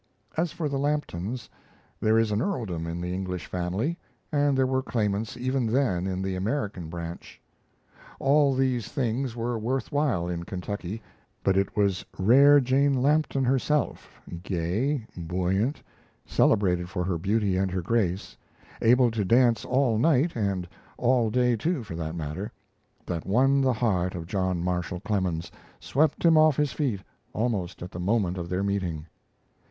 As for the Lamptons, there is an earldom in the English family, and there were claimants even then in the American branch. All these things were worth while in Kentucky, but it was rare Jane Lampton herself gay, buoyant, celebrated for her beauty and her grace; able to dance all night, and all day too, for that matter that won the heart of John Marshall Clemens, swept him off his feet almost at the moment of their meeting.